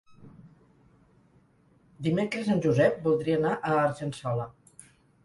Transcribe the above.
Dimecres en Josep voldria anar a Argençola.